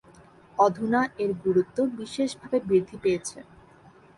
অধুনা এর গুরুত্ব বিশেষভাবে বৃদ্ধি পেয়েছে।